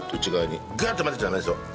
グッと混ぜちゃダメですよ。